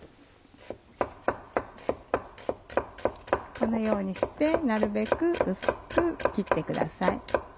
このようにしてなるべく薄く切ってください。